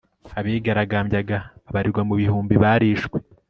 abigaragambyaga babarirwa mu bihumbi barishwe